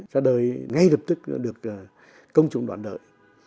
ra đời ngay lập tức được công chúng đoán đợi